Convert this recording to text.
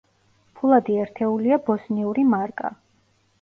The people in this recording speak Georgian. ფულადი ერთეულია ბოსნიური მარკა.